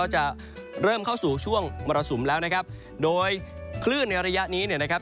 ช่วงมรสุมแล้วนะครับโดยคลื่นในระยะนี้เนี่ยนะครับ